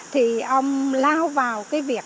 thì ông lao vào cái việc